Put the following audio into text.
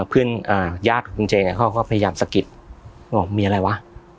เพื่อนญาติของคุณเจเนี่ยเขาก็พยายามสะกิดบอกมีอะไรวะ